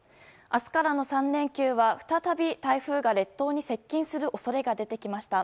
明日からの３連休は再び台風が列島に接近する恐れが出てきました。